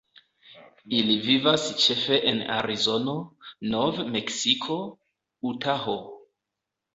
Ili vivas ĉefe en Arizono, Nov-Meksiko, Utaho.